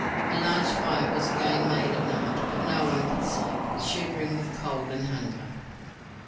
A large fire was again made at night, but no one could sleep, shivering with cold and hunger.